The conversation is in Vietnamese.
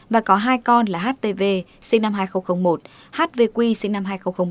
và có hai con là h t v sinh năm hai nghìn một h v q sinh năm hai nghìn ba